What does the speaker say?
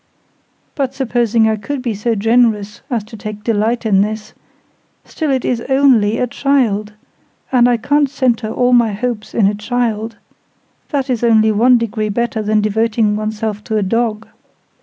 But supposing I could be so generous as to take delight in this, still it is only a child; and I can't centre all my hopes in a child: that is only one degree better than devoting oneself to a dog.